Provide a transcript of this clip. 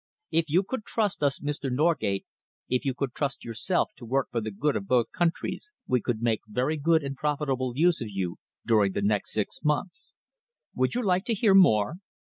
If you could trust us, Mr. Norgate, if you could trust yourself to work for the good of both countries, we could make very good and profitable use of you during the next six months. Would you like to hear more?"